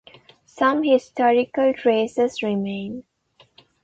Some historical traces remain.